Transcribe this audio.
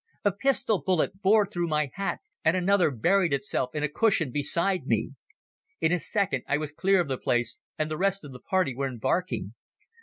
A pistol bullet bored through my hat, and another buried itself in a cushion beside me. In a second I was clear of the place and the rest of the party were embarking.